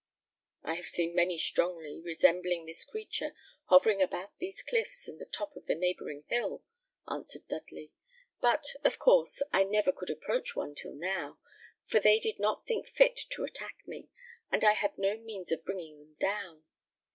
"I have seen many strongly resembling this creature hovering about these cliffs and the top of the neighbouring hill," answered Dudley; "but, of course, I never could approach one till now, for they did not think fit to attack me, and I had no means of bringing them down.